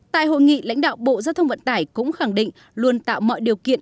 tại hội nghị lãnh đạo bộ giao thông vận tải cũng khẳng định luôn tạo mọi điều kiện